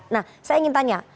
nah saya ingin tanya